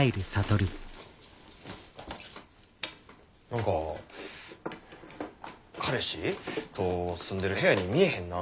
何か彼氏と住んでる部屋に見えへんな。